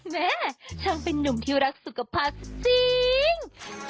แม่ช่างเป็นนุ่มที่รักสุขภาพจริง